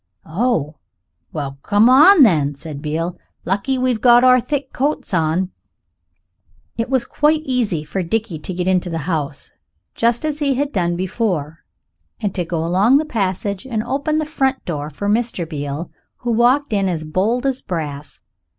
"Oh, well come on, then," said Beale; "lucky we've got our thick coats on." It was quite easy for Dickie to get into the house, just as he had done before, and to go along the passage and open the front door for Mr. Beale, who walked in as bold as brass.